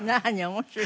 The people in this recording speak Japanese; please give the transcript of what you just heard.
面白い？